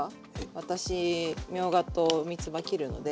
私みょうがとみつば切るので。